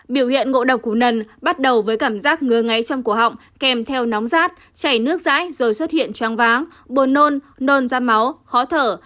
biểu hiện ngộ độc củ nần bắt đầu với cảm giác ngứa ngáy trong cổ họng kèm theo nóng rát chảy nước rãi rồi xuất hiện trang váng buồn nôn nôn ra máu khó thở